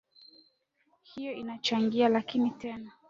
hiyo inachagia lakini tena